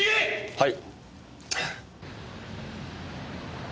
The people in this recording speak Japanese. はい。